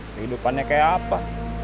kehidupannya kayak apa